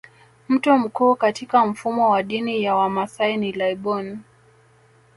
Mtu mkuu katika mfumo wa dini ya Wamasai ni laibon